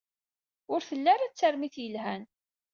Ur d-telli ara d tarmit yelhan.